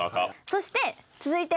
そして続いて。